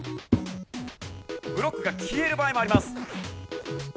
ブロックが消える場合もあります。